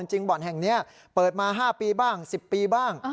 บ่อนแห่งนี้เปิดมา๕ปีบ้าง๑๐ปีบ้าง